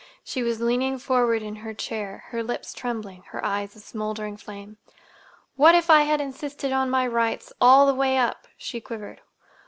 She was leaning forward in her chair, her lips trembling, her eyes a smouldering flame. "What if I had insisted on my rights, all the way up?" she quivered.